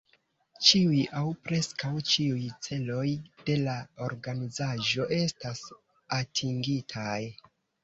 Ĉiuj aŭ preskaŭ ĉiuj celoj de la organizaĵo estas atingitaj.